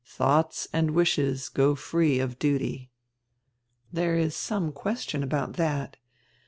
Thoughts and wishes go free of duty." "There is some question about that.